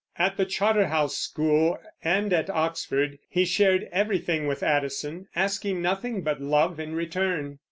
At the Charterhouse School and at Oxford he shared everything with Addison, asking nothing but love in return.